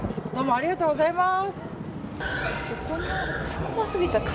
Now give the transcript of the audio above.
ありがとうございます。